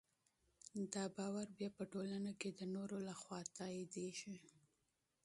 دا باور بیا په ټولنه کې د نورو لخوا تاییدېږي.